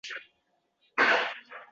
Bir izlanish boshlanar menda